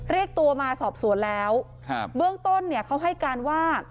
เรียกตัวมาสอบสวนแล้วครับเบื้องต้นเนี่ยเขาให้การว่า